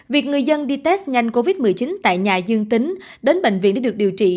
việc người dân đi test nhanh covid một mươi chín tại nhà dương tính đến bệnh viện để được điều trị